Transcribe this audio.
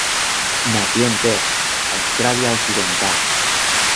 Nació en Perth, Australia Occidental.